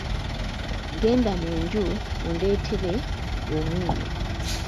Genda mu nju ondeetere omunnyo.